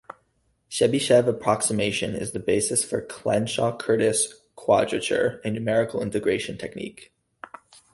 Chebyshev approximation is the basis for Clenshaw-Curtis quadrature, a numerical integration technique.